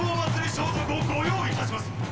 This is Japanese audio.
装束をご用意いたします」